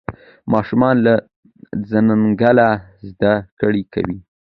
ماشومان له ځنګله زده کړه کوي.